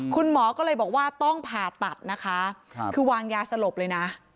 คุณหมอก็เลยบอกว่าต้องผ่าตัดนะคะคือวางยาสลบเลยนะ